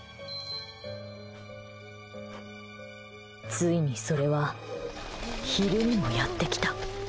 ついにそれは昼にもやってきた。